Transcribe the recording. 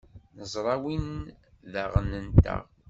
Neẓra win d aɣan-nteɣ.